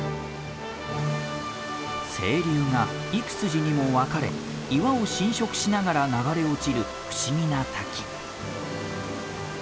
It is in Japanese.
清流が幾筋にも分かれ岩を浸食しながら流れ落ちる不思議な滝。